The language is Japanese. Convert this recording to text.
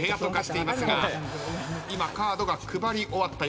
今カードが配り終わったようです。